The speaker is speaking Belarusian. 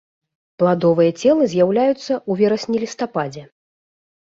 Пладовыя целы з'яўляюцца ў верасні-лістападзе.